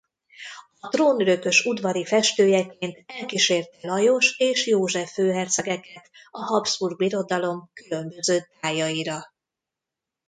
A trónörökös udvari festőjeként elkísérte Lajos és József főhercegeket a Habsburg Birodalom különböző tájaira.